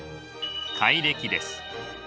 改暦です。